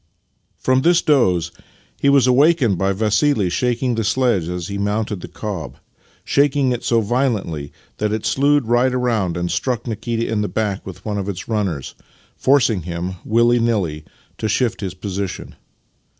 From this doze he was awakened by Vassili shaking the sledge as he mounted the cob — shaking it so violently that it slewed right round and struck Nikita in the back with one of its runners, forcing him, willy nilly, to shift his position.